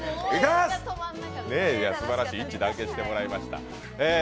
すばらしい、一致団結してもらいました。